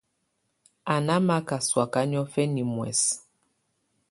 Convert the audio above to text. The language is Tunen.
Á ná maka sɔ̀áka niɔ̀fɛna muɛsɛ.